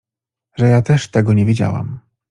— Że ja też tego nie wiedziałam!